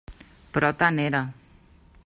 Però tant era.